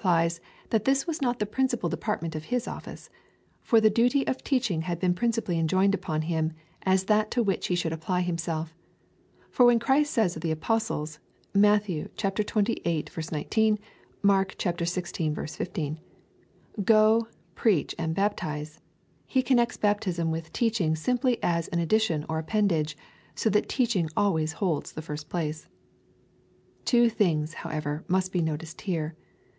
plies, that this was not the principal department of his office, for the duty of teaching had been principally enjoined upon him as that to which he should aj^ply himself. For when Christ says to the Apostles, (Matt, xxviii. 19, Mark xvi. 15,) Oo, preach and baptize, he connects baptism with teaching simply as an addition or appendage, so that teaching always holds the first place. Two things, however, must be noticed here.